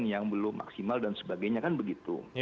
yang belum maksimal dan sebagainya kan begitu